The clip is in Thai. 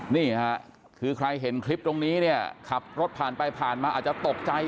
นี่ค่ะคือใครเห็นคลิปตรงนี้เนี่ยขับรถผ่านไปผ่านมาอาจจะตกใจ